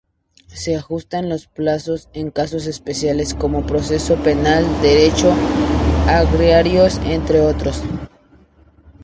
Se ajustan los plazos en casos especiales como procesos penales, derechos agrarios, entre otros.